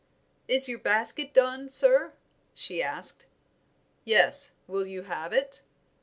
"Is your basket done, sir?" she asked. "Yes; will you have it?"